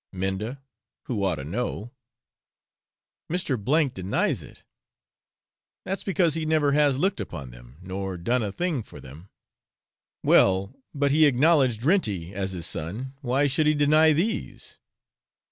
'Minda, who ought to know.' 'Mr. K denies it.' 'That's because he never has looked upon them, nor done a thing for them.' 'Well, but he acknowledged Renty as his son, why should he deny these?'